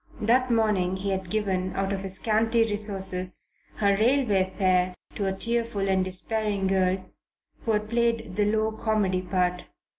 That morning he had given, out of his scanty resources, her railway fare to a tearful and despairing girl who played the low comedy part.